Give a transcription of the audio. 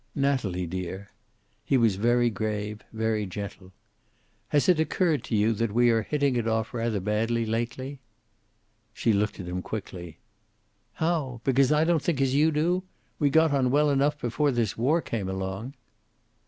"Natalie, dear." He was very grave, very gentle. "Has it occurred to you that we are hitting it off rather badly lately?" She looked at him quickly. "How? Because I don't think as you do? We got on well enough before this war came along."